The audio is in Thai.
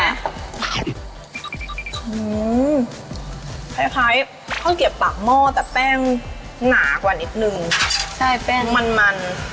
คล้ายคล้ายข้าวเกียบปากหม้อแต่แป้งหนากว่านิดนึงใช่แป้งมันมัน